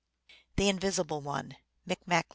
THE INVISIBLE ONE. (Micmac.)